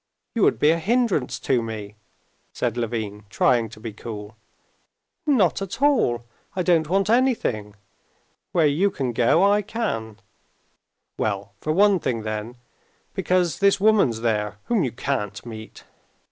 You would be a hindrance to me," said Levin, trying to be cool. "Not at all. I don't want anything. Where you can go, I can...." "Well, for one thing then, because this woman's there whom you can't meet."